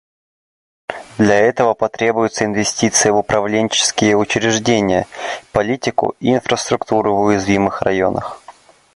Для этого потребуются инвестиции в управленческие учреждения, политику и инфраструктуру в уязвимых районах.